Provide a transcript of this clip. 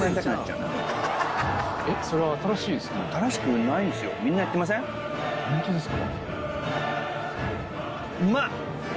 うまっ！